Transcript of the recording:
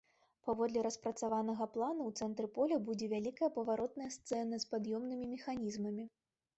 Паводле распрацаванага плану, у цэнтры поля будзе вялікая паваротная сцэна з пад'ёмнымі механізмамі.